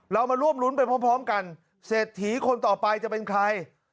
เรามาร่วมรุ้นไปพร้อมกันเศรษฐีคนต่อไปจะเป็นใคร